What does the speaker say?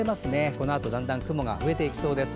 このあとだんだん雲が増えていきそうです。